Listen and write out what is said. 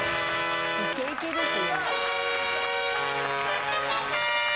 イケイケですね